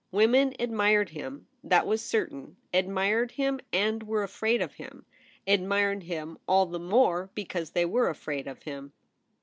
Women admired him, that was certain — ad mired him and were afraid of him — admired him all the more because they were afraid of him.